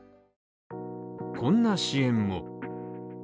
こんな支援も。